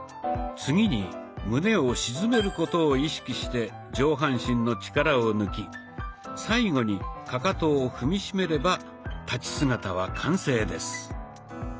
次に胸を沈めることを意識して上半身の力を抜き最後にかかとを踏み締めれば立ち姿は完成です。